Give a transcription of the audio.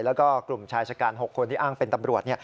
แล้วก็กลุ่มชายชะกัน๖คนที่อ้างเป็นตำรวจ